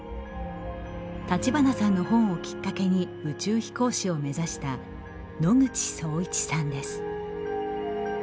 立花さんの本をきっかけに宇宙飛行士を目指した野口聡一さんです。